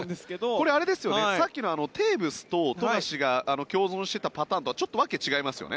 これ、さっきのテーブスと富樫が共存していたパターンとはちょっと訳が違いますよね。